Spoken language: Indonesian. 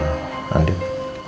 aku jalan sama andin